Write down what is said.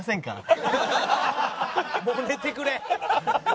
もう寝てくれ！